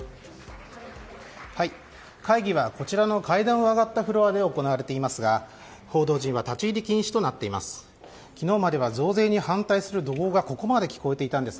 会議はこちらの階段を上がったフロアで行われていますが報道陣は立ち入り禁止となっています。